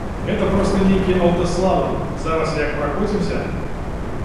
Гэта проста нейкі аўтаслалам, зараз як пракоцімся!